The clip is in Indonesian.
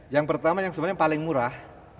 yang pertama yang sebenarnya paling murah